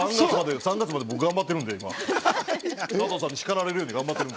３月まで僕、頑張ってるんで、加藤さんに叱られるように頑張ってるんで。